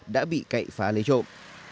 đã bị cậy phá lấy trộm